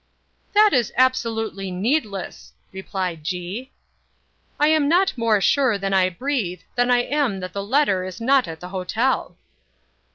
"That is absolutely needless," replied G——. "I am not more sure that I breathe than I am that the letter is not at the Hotel."